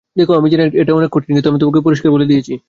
দেখো আমি জানি এটা অনেক কঠিন কিন্তু আমি তোমাকে পরিষ্কার বলে দিয়েছি।